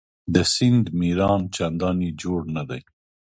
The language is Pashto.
د سیند میران چنداني جوړ نه دي.